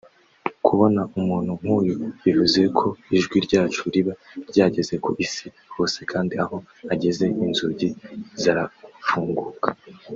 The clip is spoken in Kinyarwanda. Kubona umuntu nk’uyu bivuze ko ijwi ryacu riba ryageze ku Isi hose kandi aho ageze inzugi zarafunguka